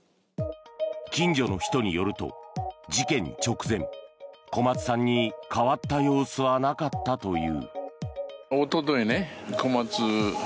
近所の人によると事件直前、小松さんに変わった様子はなかったという。